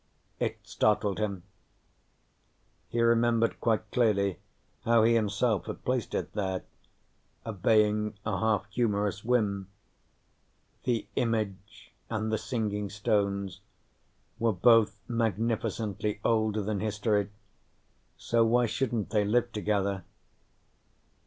It startled him. He remembered quite clearly how he himself had placed it there, obeying a half humorous whim: the image and the singing stones were both magnificently older than history, so why shouldn't they live together?